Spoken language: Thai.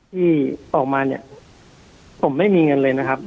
ที่ออกมาเนี่ยผมไม่มีเงินเลยนะครับ